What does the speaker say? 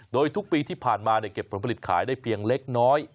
โดยทุกปีที่ผ่านมาเก็บผลผลิตขายได้เพียงเล็กน้อย